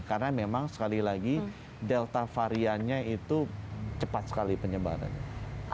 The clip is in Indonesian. karena memang sekali lagi delta variannya itu cepat sekali penyebarannya